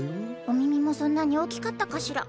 お耳もそんなに大きかったかしら？